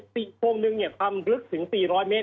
๑โพงความลึกถึง๔๐๐เมตร